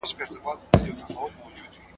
زه هیڅکله د خپلو استادانو احترام نه هېروم.